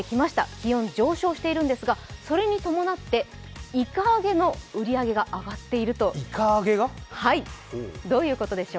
気温上昇しているんですが、それに伴っていか揚げの売り上げが上がっているということです。